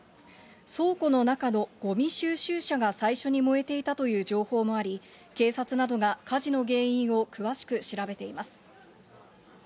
倉庫の中のごみ収集車が最初に燃えていたという情報もあり、警察などが火事の原因を詳しく調べています。